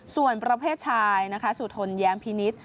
ส่วนประเภทชายนะคะสุทนแย้มพินิษฐ์